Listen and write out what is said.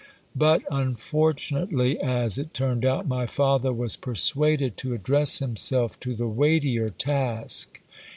But, unfortunately as it turned out, my father was persuaded to address himself to the weightier task.